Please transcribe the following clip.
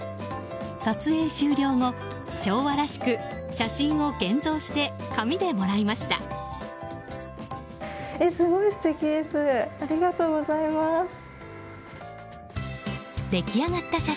撮影終了後、昭和らしく写真を現像して紙でもらいました。